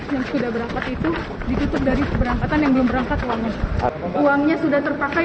yang sudah berangkat itu ditutup dari keberangkatan yang belum berangkat uangnya uangnya sudah terpakai